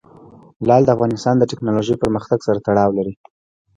لعل د افغانستان د تکنالوژۍ پرمختګ سره تړاو لري.